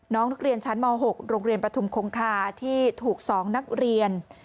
น้องนักเรียนชั้นม๖โรงเรียนประทุมคงคาที่ถูก๒นักเรียน